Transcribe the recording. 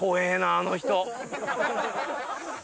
あの人。